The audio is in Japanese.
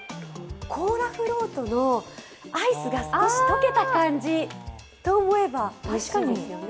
コーラフロートのアイスが少し解けた感じと思えばおいしいですよね。